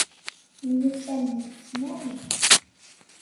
Myussanen deg tesnawit.